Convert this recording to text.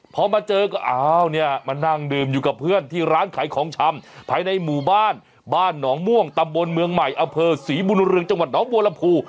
พอมาเจอก็อ้าวเนี่ยมานั่งดื่มอยู่กับเพื่อนที่ร้านขายของชำภายในหมู่บ้านบ้านหนองม่วงตำบลเมืองใหม่อำเภอศรีบุญเรืองจังหวัดหนองบัวลำพู